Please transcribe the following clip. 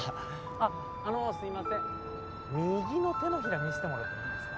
あっあのすいません右の手のひら見せてもらってもいいですか？